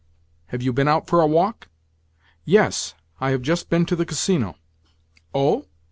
Have you been out for a walk?" "Yes. I have just been to the Casino." "Oh?